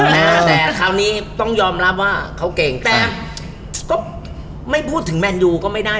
แต่คราวนี้ต้องยอมรับว่าเขาเก่งแต่ก็ไม่พูดถึงแมนยูก็ไม่ได้